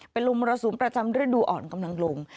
เป็นลมมรสุมประจำฤดูอ่อนกำลังลง